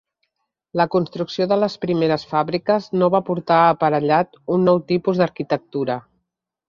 La construcció de les primeres fàbriques no va portar aparellat un nou tipus d'arquitectura.